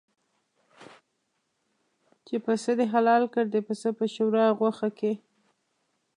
چې پسه دې حلال کړ د پسه په شوروا او غوښه کې.